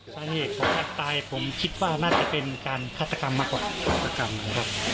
สาเหตุของการตายผมคิดว่าน่าจะเป็นการฆาตกรรมมากกว่าฆาตกรรมนะครับ